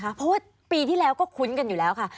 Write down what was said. เพราะว่าปีที่แล้วก็คุ้นกันอยู่แล้วค่ะ